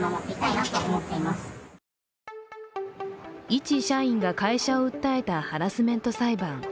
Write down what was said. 一社員が会社を訴えたハラスメント裁判。